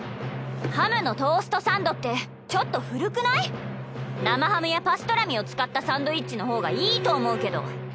ハムのトーストサンドってちょっと古くない⁉生ハムやパストラミを使ったサンドイッチの方がいいと思うけど。